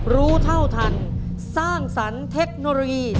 รู้เท่าทันสร้างสรรค์เทคโนโลยี